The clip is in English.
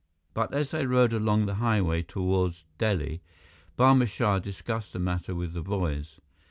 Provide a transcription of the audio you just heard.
But as they rode along the highway toward Delhi, Barma Shah discussed the matter with the boys.